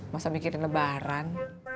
masa mikirin lebaran